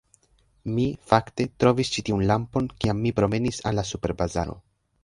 Mi, fakte, trovis ĉi tiun lampon kiam mi promenis al la superbazaro